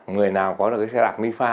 người nào có được cái xe đạp mipha